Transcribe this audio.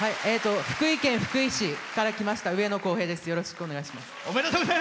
福井県福井市から来ましたうえのです。